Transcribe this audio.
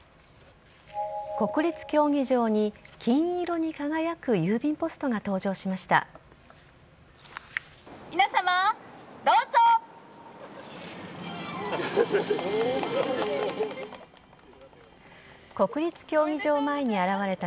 国立競技場に金色に輝く郵便ポストが登場しました。